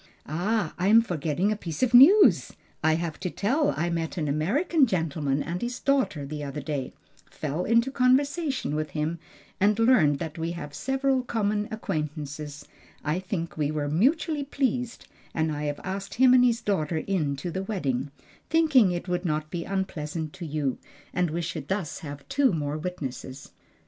"Ah, I am forgetting a piece of news I have to tell I met an American gentleman and his daughter, the other day, fell into conversation with him, and learned that we have several common acquaintances I think we were mutually pleased, and I have asked him and his daughter in to the wedding; thinking it would not be unpleasant to you, and we should thus have two more witnesses."